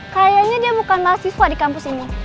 kayaknya dia bukan mahasiswa di kampus ini